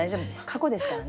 過去ですからね。